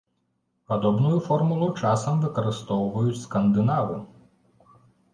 Падобную формулу часам выкарыстоўваюць скандынавы.